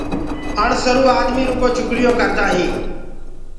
اَڻسروُ آدمي رُگو چُگليونٚ ڪردآ هينٚ۔